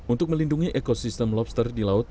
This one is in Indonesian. untuk melindungi ekosistem lobster di laut